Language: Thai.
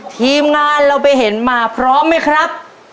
ทีมงานเราไปเห็นมาพร้อมไหมครับ